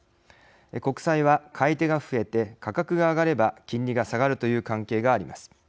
国債は、買い手が増えて価格が上がれば金利が下がるという関係があります。